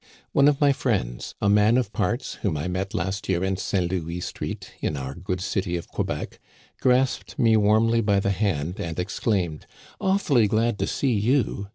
One of my friends, a man of parts, whom I met last year in St. Louis Street, in our good city of Quebec, grasped me warmly by the hand and exclaimed : "Awfully glad to see you